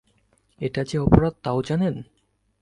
এটা যে অপরাধ তাও জানেন?